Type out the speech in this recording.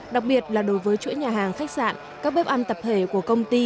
đặc biệt là đối với chuỗi nhà hàng khách sạn các bếp ăn tập thể của công ty